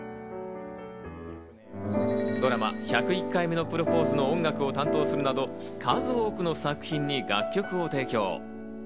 ドラマ『１０１回目のプロポーズ』の音楽を担当するなど、数多くの作品に楽曲を提供。